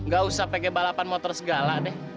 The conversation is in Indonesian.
gak usah pakai balapan motor segala deh